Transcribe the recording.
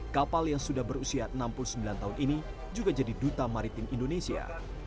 kapal yang sudah berusia enam puluh sembilan tahun ini juga jadi duta maritim indonesia